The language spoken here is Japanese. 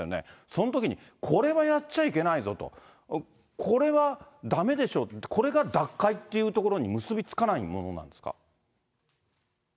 そのときに、これはやっちゃいけないぞと、これはだめしょ、これが脱会っていうところに結び付かないものなんですか？